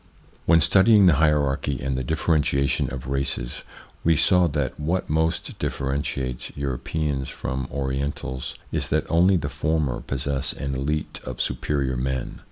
WHEN studying the hierarchy and the differ entiation of races, we saw that what most differentiates Europeans from Orientals is that only the former possess an elite of superior men.